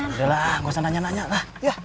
udah lah gausah nanya nanya lah